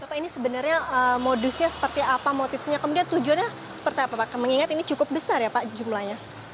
bapak ini sebenarnya modusnya seperti apa motifnya kemudian tujuannya seperti apa pak mengingat ini cukup besar ya pak jumlahnya